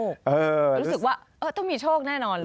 รู้สึกว่าต้องมีโชคแน่นอนเลย